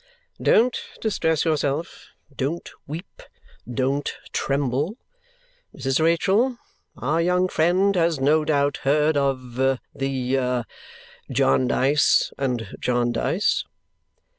Don't distress yourself! Don't weep! Don't tremble! Mrs. Rachael, our young friend has no doubt heard of the a Jarndyce and Jarndyce."